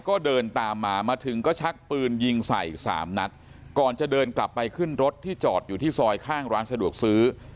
ก็เดินตามมามาถึงก็ชักปืนยิงใส่สามนัดก่อนจะเดินกลับไปขึ้นรถที่จอดอยู่ที่ซอยข้างร้านสะดวกซื้อ